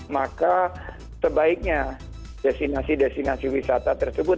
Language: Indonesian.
maka sebaiknya destinasi destinasi wisata tersebut